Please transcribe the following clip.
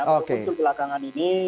baru muncul belakangan ini